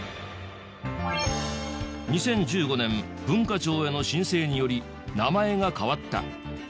２０１５年文化庁への申請により名前が変わった。